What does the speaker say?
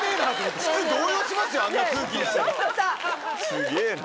すげぇな。